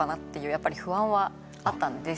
やっぱり不安はあったんですけど。